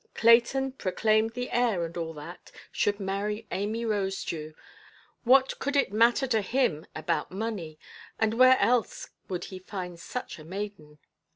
Clayton, proclaimed the heir and all that, should marry Amy Rosedew; what could it matter to him about money, and where else would he find such a maiden?